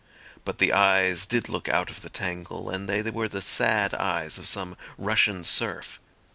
But the eyes did look out of the tangle, and they were the sad eyes of some Russian serf.